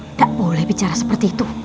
tidak boleh bicara seperti itu